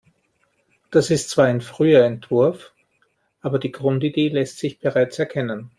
Das ist zwar ein früher Entwurf, aber die Grundidee lässt sich bereits erkennen.